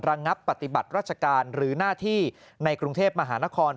ระงับปฏิบัติราชการหรือหน้าที่ในกรุงเทพมหานคร